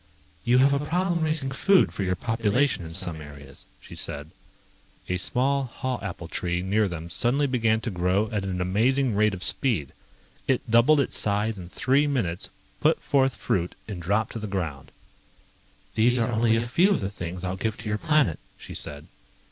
"You have a problem raising food for your population in some areas," she said.... A small haw apple tree near them suddenly began to grow at an amazing rate of speed. It doubled its size in three minutes, put forth fruit and dropped it to the ground. "These are only a few of the things I'll give to your planet," she said.